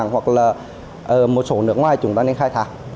hoặc là một số nước ngoài chúng ta nên khai thác